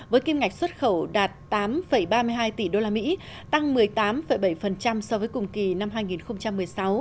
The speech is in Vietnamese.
với kim ngạch xuất khẩu đạt tám ba mươi hai tỷ usd tăng một mươi tám bảy so với cùng kỳ năm hai nghìn một mươi sáu